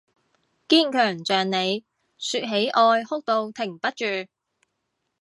堅強像你，說起愛哭到停不住